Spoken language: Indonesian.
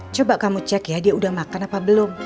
coba kamu cek ya dia udah makan apa belum